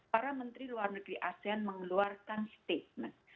para menteri luar negeri asean mengeluarkan statement